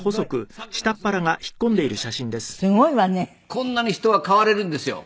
こんなに人は変われるんですよ。